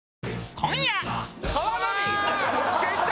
今夜。